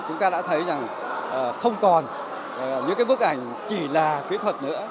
chúng ta đã thấy rằng không còn những bức ảnh chỉ là kỹ thuật nữa